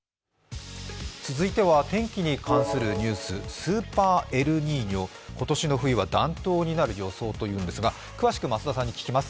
続いては天気に関するニュース、スーパー・エルニーニョ、今年の冬は暖冬になる予想ということですが詳しくは増田さんに聞きます。